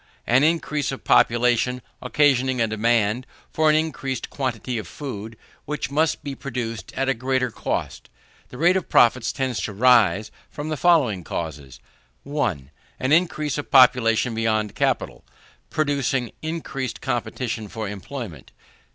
An increase of population, occasioning a demand for an increased quantity of food, which must be produced at a greater cost. The rate of profits tends to rise from the following causes: 1. An increase of population beyond capital, producing increased competition for employment; 2.